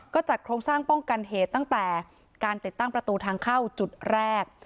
ก็จัดโครงสร้างป้องกันเหตุตั้งแต่การติดตั้งประตูทางเข้าจุดแรก